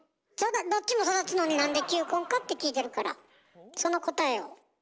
どっちも育つのになんで球根かって聞いてるからその答えを。